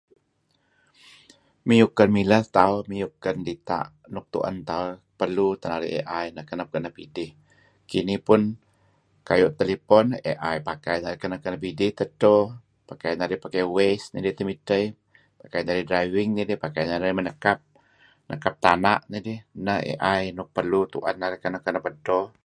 Miyuk ken mileh tauh miyuk ken dita' nuk tuen tauh perlu teh narih AI kanep-kanep idih. Kinih pun kayu' telehpone AI pakai narih kenep-kenep idih, kenep edto pakai narih pakai Waze neh idih temidteh . Renga' narih driving nidih, pakai narih nekap tana' nidih neh AI nuk perlu nuk tuen narih perlu kenap-kenap edto.